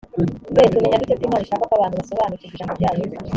b tumenya dute ko imana ishaka ko abantu basobanukirwa ijambo ryayo